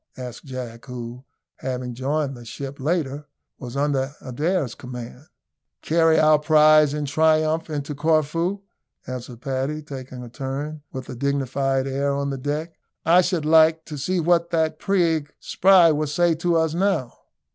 asked Jack, who, having joined the ship later, was under Adair's command. "Carry our prize in triumph into Corfu," answered Paddy, taking a turn with a dignified air on the deck. "I should like, to see what that prig Spry will say to us now."